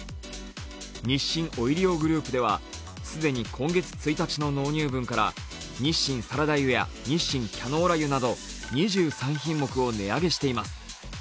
日清オイリオグループではすでに今月１日の納入分から日清サラダ油や日清キャノーラ油など２３品目を値上げしています。